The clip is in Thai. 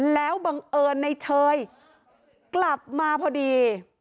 แล้วบังเอิญในเชยกลับมาพอดี